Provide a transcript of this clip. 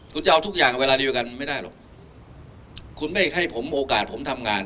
คุณจะเอาทุกอย่างเวลาเดียวกันไม่ได้หรอกคุณไม่ให้ผมโอกาสผมทำงาน